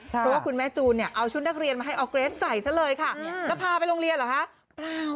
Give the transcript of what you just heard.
เพราะว่าคุณแม่จูนเนี่ยเอาชุดนักเรียนมาให้ออร์เกรสใส่ซะเลยค่ะแล้วพาไปโรงเรียนเหรอคะเปล่า